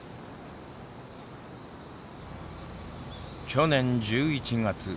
去年１１月。